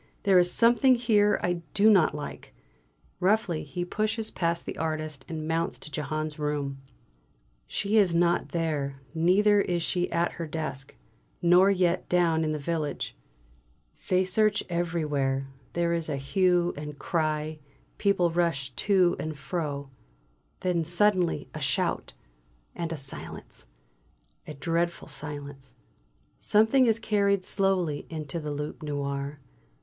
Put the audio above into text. There is something here I do not like!" Roughly he pushes past the artist and mounts to Jehane's room. She is not there, neither is she at her desk. Nor yet down in the village. They search everywhere; there is a hue and cry; people rush to and fro. Then suddenly a shout; and a silence, a dreadful silence. Something is carried slowly into the "Loup Noir."